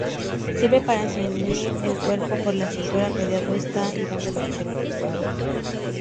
Sirve para ceñir el cuerpo por la cintura, rodeando esta y dándole diferentes vueltas.